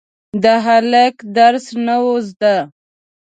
د هلک درس نه و زده.